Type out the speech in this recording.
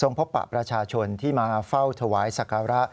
ส่งพบประชาชนที่มาเฝ้าถวายศักรรณะ